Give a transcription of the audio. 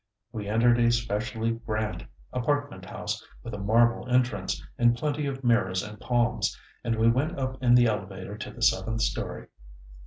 We entered a specially grand apartment house with a marble entrance, and plenty of mirrors and palms, and we went up in the elevator to the seventh story.